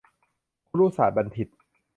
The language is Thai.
คุรุศาสตรบัณฑิต